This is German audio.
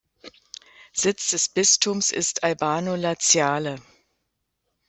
Sitz des Bistums ist Albano Laziale.